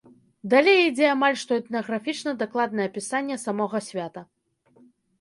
Далей ідзе амаль што этнаграфічна-дакладнае апісанне самога свята.